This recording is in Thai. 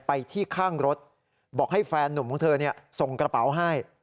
ไปที่ข้างรถบอกให้แฟนนุ่มของเธอส่งกระเป๋าให้